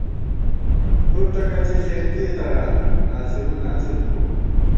کھُر ٹکَڅِی ݪېنتِئے تران، ناڅِرو ناڅِر بُوَہ